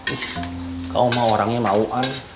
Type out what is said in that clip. ih kau mah orangnya mau an